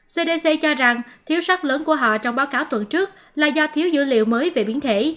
cdc cho rằng thiếu sắc lớn của họ trong báo cáo tuần trước là do thiếu dữ liệu mới về biến thể